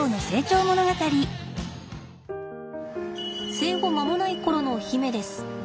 生後間もない頃の媛です。